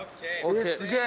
すげえ！